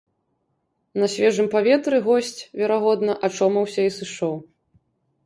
На свежым паветры госць, верагодна, ачомаўся і сышоў.